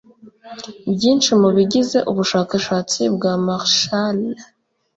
Byinshi mu bigize ubushakashatsi bwa Marshall